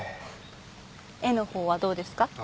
絵のほうはどうですか？